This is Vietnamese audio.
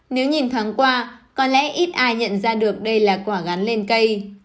nếu nhìn thoáng qua có lẽ ít ai nhận ra được đây là quả gắn lên cây